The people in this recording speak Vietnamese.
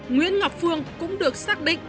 nguyễn ngọc phương cũng được xác định